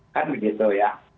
kan begitu ya